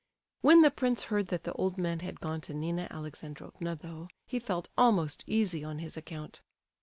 When the prince heard that the old man had gone to Nina Alexandrovna, though, he felt almost easy on his account.